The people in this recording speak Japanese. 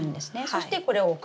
そしてこれを置く。